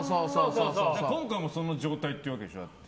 今回もその状態ってわけでしょ？